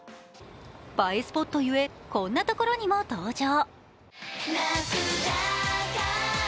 映えスポットゆえこんなところにも登場。